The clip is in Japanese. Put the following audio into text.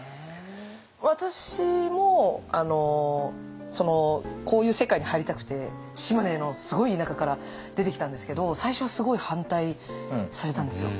私もこういう世界に入りたくて島根のすごい田舎から出てきたんですけど最初はすごい反対されたんですよ。